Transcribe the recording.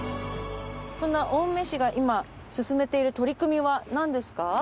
そんな青梅市が今進めている取り組みはなんですか？